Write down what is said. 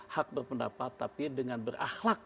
hak berpendapat tapi dengan berakhlak